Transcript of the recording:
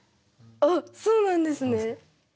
あっそうなんですね。